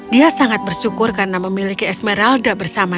dia sangat bersyukur karena memiliki esmeralda yang sangat baik